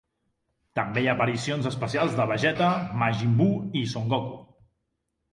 També hi ha aparicions especials de Vegeta, Majin Buu i Son Goku.